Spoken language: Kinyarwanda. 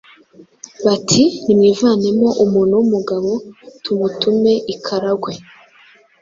bati “Nimwivanemo umuntu w’umugabo tumutume i Karagwe